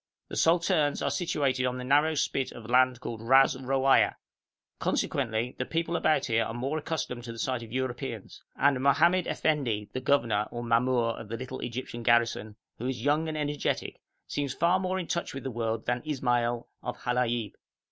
The salterns are situated on the narrow spit of land called Ras Rowaya; consequently, the people about here are more accustomed to the sight of Europeans, and Mohammed Effendi, the governor, or mamour of the little Egyptian garrison, who is young and energetic, seems far more in touch with the world than Ismael of Halaib.